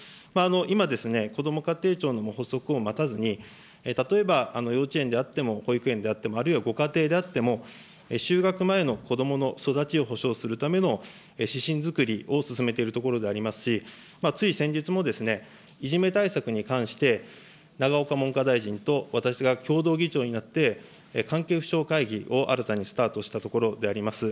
今、こども家庭庁の発足を待たずに、例えば幼稚園であっても、保育園であっても、あるいはご家庭であっても、就学前の子どもの育ちを保障するための指針づくりを進めているところでありますし、つい先日も、いじめ対策に関して永岡文科大臣と私が共同議長になって、関係府省会議を新たにスタートしたところであります。